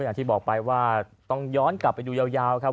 อย่างที่บอกไปว่าต้องย้อนกลับไปดูยาวครับ